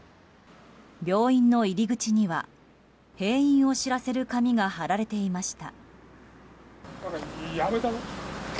病院の入り口には閉院を知らせる紙が貼られていました。